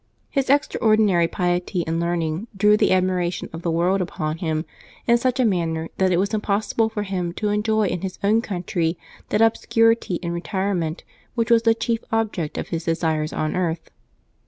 His extraordinary piety and learning drew the ad miration of the world upon him in such a manner that it was impossible for him to enjoy in his own country that obscurity and retirement which was the chief object of his desires on earth.